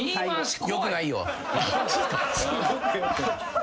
よくないよ。